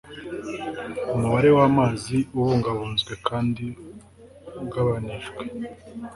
umubare w'amazi abungabunzwe kandi ugabanijwe